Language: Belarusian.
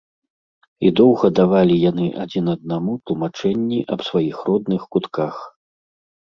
І доўга давалі яны адзін аднаму тлумачэнні аб сваіх родных кутках.